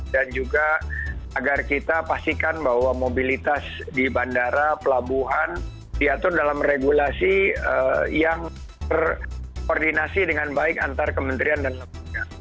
dan juga agar kita pastikan bahwa mobilitas di bandara pelabuhan diatur dalam regulasi yang terkoordinasi dengan baik antar kementerian dan lapangan kerja